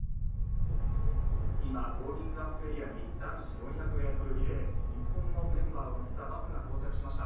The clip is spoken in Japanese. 今ウォーミングアップエリアに男子４００ｍリレー日本のメンバーを乗せたバスが到着しました。